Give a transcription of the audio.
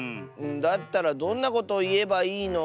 だったらどんなことをいえばいいの？